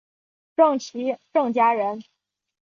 郑琦郑家人。